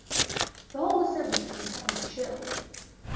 The whole assembly seemed suddenly chilled.